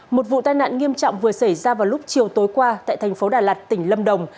một vụ tai nạn nghiêm trọng vừa xảy ra vào lúc chiều tối qua tại thành phố đà lạt tỉnh lâm đồng